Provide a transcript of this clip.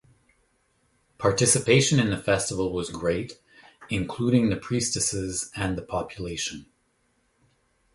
Participation in the festival was great, including the priestesses and the population.